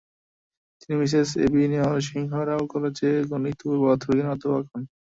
তিনি Mrs AV Narasimha Rao কলেজে গণিত ও পদার্থবিজ্ঞানে অধ্যাপক হন।